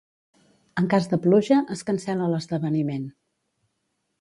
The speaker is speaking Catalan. En cas de pluja, es cancel·la l'esdeveniment.